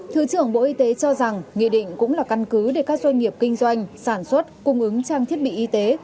thứ trưởng bộ y tế cho rằng nghị định cũng là căn cứ để các doanh nghiệp kinh doanh sản xuất cung ứng trang thiết bị y tế